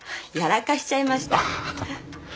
やらかしちゃいました。